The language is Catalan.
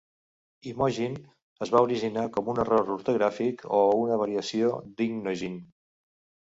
Imogen es va originar com un error ortogràfic o una variació d'Innogen.